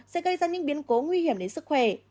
sẽ gây ra những biến cố nguy hiểm đến sức khỏe